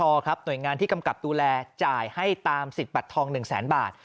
หน่วยงานที่กำกับดูแลจ่ายให้ตามสิทธิ์บัตรทอง๑แสนบาท